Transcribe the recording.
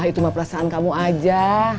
itu mah perasaan kamu aja